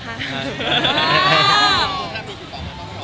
ก็ได้ครับ